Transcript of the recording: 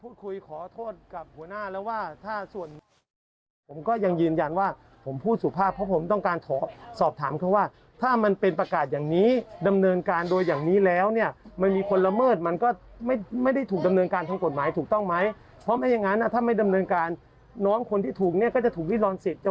ขอโทษกับหัวหน้าแล้วว่าถ้าส่วนผมก็ยังยืนยันว่าผมพูดสุภาพเพราะผมต้องการขอสอบถามเขาว่าถ้ามันเป็นประกาศอย่างนี้ดำเนินการโดยอย่างนี้แล้วเนี่ยมันมีคนละเมิดมันก็ไม่ไม่ได้ถูกดำเนินการทางกฎหมายถูกต้องไหมเพราะไม่อย่างนั้นถ้าไม่ดำเนินการน้องคนที่ถูกเนี่ยก็จะถูกวิรอนสิทธิ